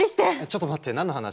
ちょっと待って何の話？